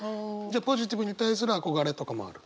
ポジティブに対する憧れとかもある？